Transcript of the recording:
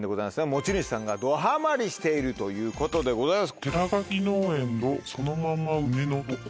持ち主さんがドハマりしているということでございます。